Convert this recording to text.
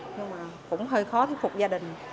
mình cũng hơi khó thuyết phục gia đình